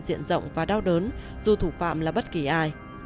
diện rộng và đau đớn dù thủ phạm là bất kỳ ai